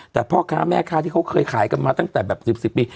แต่พ่อค้าแม่ค้าที่เขาเคยขายกันมาตั้งแต่แบบ๑๐ปี